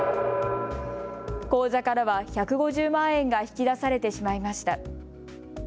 口座からは、１５０万円が引き出されてしまいました。